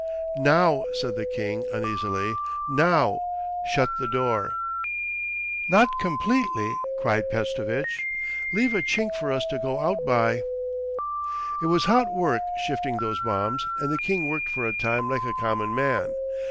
'Now,' said the king uneasily, 'now shut the door.' 'Not completely,' cried Pestovitch. 'Leave a chink for us to go out by....' It was hot work shifting those bombs, and the king worked for a time like a common man.